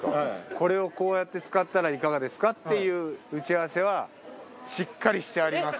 「これをこうやって使ったらいかがですか？」っていう打ち合わせはしっかりしてあります。